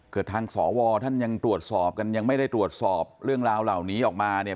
เกิดทางสวท่านยังตรวจสอบกันยังไม่ได้ตรวจสอบเรื่องราวเหล่านี้ออกมาเนี่ย